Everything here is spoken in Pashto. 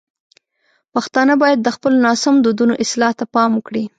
پښتانه باید د خپلو ناسم دودونو اصلاح ته پام وکړي.